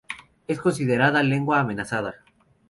Es considerada lengua amenazada.